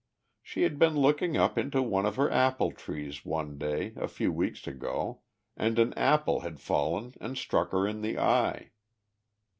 She had been looking up into one of her apple trees, one day, a few weeks ago, and an apple had fallen and struck her in the eye.